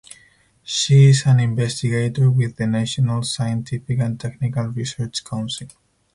She is an investigator with the National Scientific and Technical Research Council.